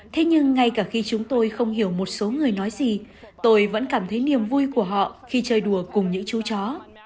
thế nhưng ngay cả khi chúng tôi không hiểu một số người nói gì tôi vẫn cảm thấy niềm vui của họ khi chơi đùa cùng những chú chó